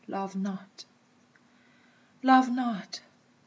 Love not! Love not!